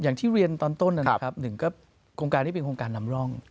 อย่างที่เรียนตอนต้นนะครับหนึ่งก็โครงการนี้เป็นโครงการนำร่อง